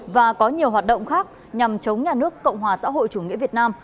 và có nhiều hoạt động khác nhằm chống nhà nước cộng hòa xã hội chủ nghĩa việt nam